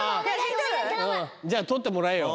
じゃあ撮ってもらえよ。